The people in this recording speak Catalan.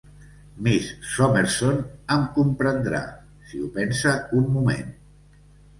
Miss Summerson, em comprendrà, si ho pensa un moment.